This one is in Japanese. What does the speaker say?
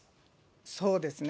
そうですね。